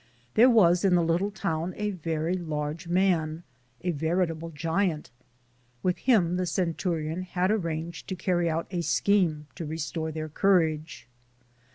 There was in the little town a very large man, a veritable giant ; with him the centurion had arranged to carry out a scheme to restore their courage.